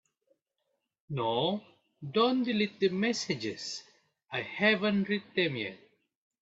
No, don’t delete the messages, I haven’t read them yet.